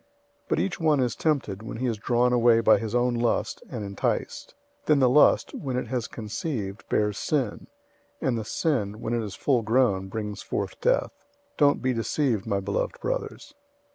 001:014 But each one is tempted, when he is drawn away by his own lust, and enticed. 001:015 Then the lust, when it has conceived, bears sin; and the sin, when it is full grown, brings forth death. 001:016 Don't be deceived, my beloved brothers.